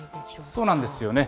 そうなんですよね。